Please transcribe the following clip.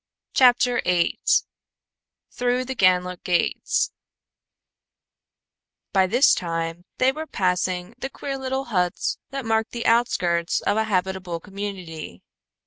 CHAPTER VIII THROUGH THE GANLOOK GATES By this time they were passing the queer little huts that marked the outskirts of a habitable community.